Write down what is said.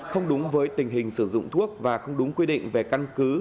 không đúng với tình hình sử dụng thuốc và không đúng quy định về căn cứ